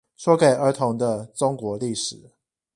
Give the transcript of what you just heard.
說給兒童的中國歷史